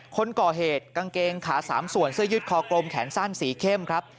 คนก่อเหตุกางเกงขา๓ส่วนเสื้อยืดคอกลมแขนสั้นสีเข้มครับ